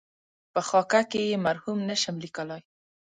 په خاکه کې یې مرحوم نشم لېکلای.